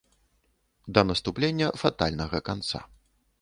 Да наступлення фатальнага канца.